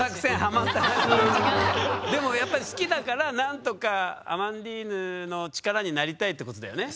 でもやっぱり好きだから何とかアマンディーヌの力になりたいってことだよね？